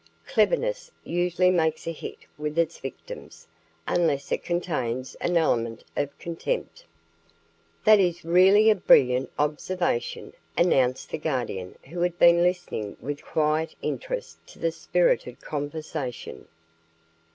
Cleverness usually makes a hit with its victims, unless it contains an element of contempt." "That is really a brilliant observation," announced the Guardian who had been listening with quiet interest to the spirited conversation.